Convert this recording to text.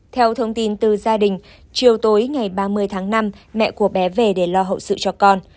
theo thông tin từ gia đình chiều tối ngày ba mươi tháng năm mẹ của bé về để lo hậu sự cho con